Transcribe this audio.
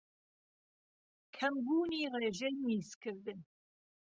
کەمبوونی رێژەی میزکردن